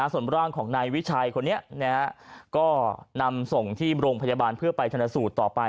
ส่วนร่างของนายวิชัยคนนี้ก็นำส่งที่โรงพยาบาลเพื่อไปชนสูตรต่อไป